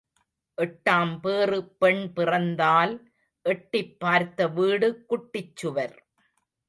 எட்டாம் பேறு பெண் பிறந்தால் எட்டிப் பார்த்த வீடு குட்டிச்சுவர்.